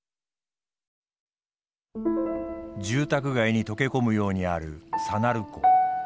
住宅街に溶け込むようにある佐鳴湖。